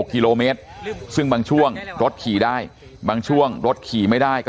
กิโลเมตรซึ่งบางช่วงรถขี่ได้บางช่วงรถขี่ไม่ได้ก็